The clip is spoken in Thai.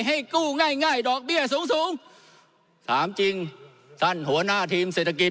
ให้กู้ง่ายง่ายดอกเบี้ยสูงสูงถามจริงท่านหัวหน้าทีมเศรษฐกิจ